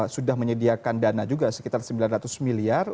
sudah menyediakan dana juga sekitar sembilan ratus miliar